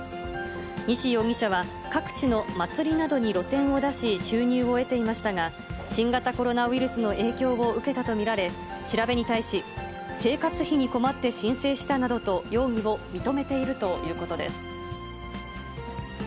西容疑者は各地の祭りなどに露店を出し、収入を得ていましたが、新型コロナウイルスの影響を受けたと見られ、調べに対し、生活費に困って申請したなどと容疑を認めているということです。